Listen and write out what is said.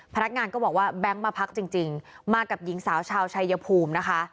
พนักงานก็บอกว่าแบงค์มาพักจริงมากับหญิงสาวชาวชายภูมินะคะ